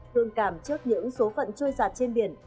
thương cảm trước những số phận trôi giặt trên biển